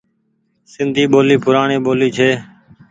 سندي ٻولي پوڙآڻي ٻولي ڇي۔